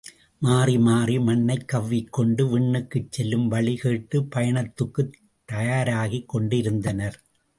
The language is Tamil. மாறிமாறி மண்ணைக் கவ்விக் கொண்டு விண்ணுக்குச் செல்லும் வழி கேட்டுப் பயணத்துக்குத் தயாராகிக் கொண்டு இருந்தனர்.